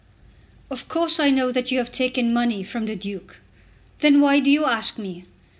"Of course I know that you have taken the money from the Duke." "Then why do you ask me?"